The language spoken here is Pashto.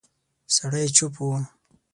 سړی چوپ و.